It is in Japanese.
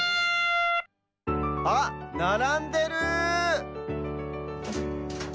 あっならんでる！